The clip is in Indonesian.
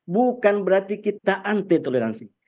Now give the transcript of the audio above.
bukan berarti kita anti toleransi